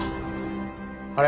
あれ？